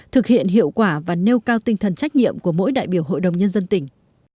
thực hiện hiệu quả và nêu cao tinh thần trách nhiệm của mỗi đại biểu hội đồng nhân dân tỉnh